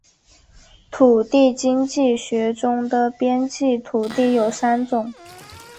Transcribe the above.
土地经济学中的边际土地有三种